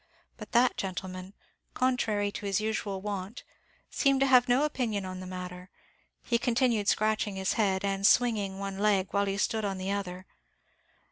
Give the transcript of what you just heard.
But that gentleman, contrary to his usual wont, seemed to have no opinion on the matter; he continued scratching his head, and swinging one leg, while he stood on the other.